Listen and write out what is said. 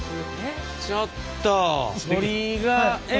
ちょっと！